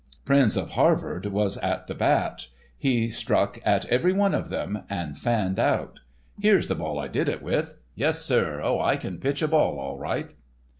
Printz of Harvard was at the bat. He struck at every one of them—and fanned out. Here's the ball I did it with. Yes, sir. Oh, I can pitch a ball all right."